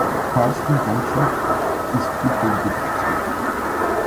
Karsten Ganschow ist Diplom-Betriebswirt.